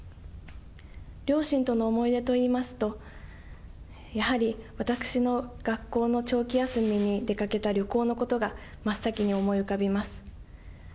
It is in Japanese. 両親との思い出といいますと、やはり私の学校の長期休みに出かけた旅行のことが、真っ先に思い浮かびます。